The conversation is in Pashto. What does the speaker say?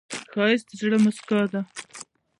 ښایست د زړه موسکا ده